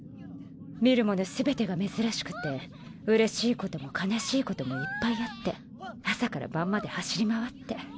見るもの全てが珍しくてうれしいことも悲しいこともいっぱいあって朝から晩まで走り回って。